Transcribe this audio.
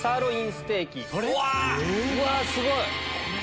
うわっすごい！